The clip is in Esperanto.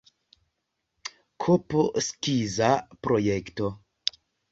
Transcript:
Kp skiza projekto.